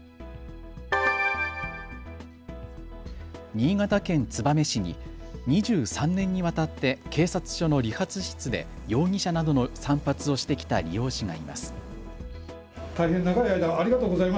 新潟県燕市２３年にわたって警察署の理髪室で容疑者などの散髪をしてきた理容師がいます。